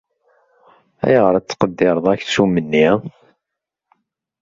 Ayɣer ay la tettqeddireḍ aksum-nni?